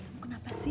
kamu kenapa sih